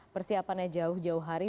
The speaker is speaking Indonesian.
persiapannya jauh jauh hari